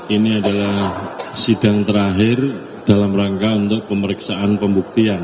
ini adalah sidang terakhir dalam rangka untuk pemeriksaan pembuktian